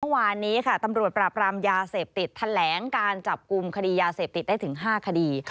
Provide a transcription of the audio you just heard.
เมื่อวานนี้ค่ะตำรวจปราบรามยาเสพติดแถลงการจับกลุ่มคดียาเสพติดได้ถึง๕คดี